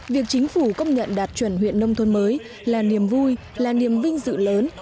việc chính phủ công nhận đạt chuẩn huyện nông thôn mới là niềm vui là niềm vinh dự lớn